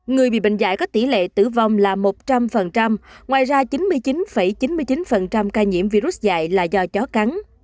người bị bệnh dạy có tỷ lệ tử vong là một trăm linh ngoài ra chín mươi chín chín mươi chín ca nhiễm virus dạy là do chó cắn